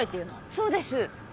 そうです。